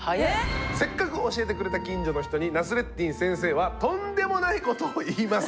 せっかく教えてくれた近所の人にナスレッディン先生はとんでもないことを言います。